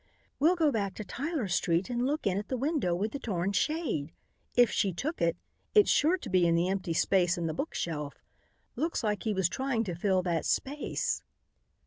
"We'll go back to Tyler street and look in at the window with the torn shade. If she took it, it's sure to be in the empty space in the book shelf. Looks like he was trying to fill that space."